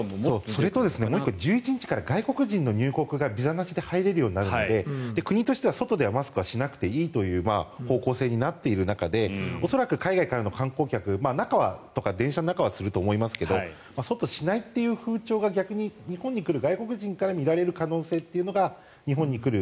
それと、もう１個１１日から外国人の入国がビザなしで入れるようになるので国としては外ではマスクをしなくていいという方向性になっている中で恐らく海外からの観光客電車の中はすると思いますが外、しないという風潮が逆に日本に来る外国人から見られる可能性というのが日本に来る。